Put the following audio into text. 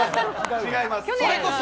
違います。